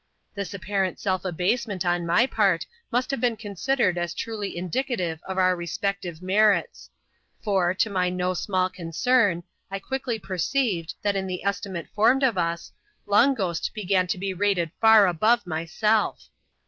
This apparent self abasement on my part must have been considered as truly indicative of our respective merits ; for, to my no small concern, I quickly perceived, that in the estimate formed of us, Long Ghost began to be rated far above myself.